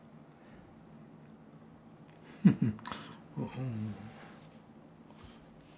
フフッ。